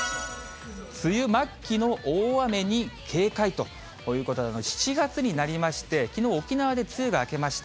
梅雨末期の大雨に警戒ということで、７月になりまして、きのう、沖縄で梅雨が明けました。